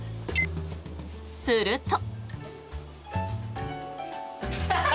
すると。